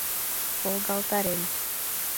ВОЛГАЛТАРЕН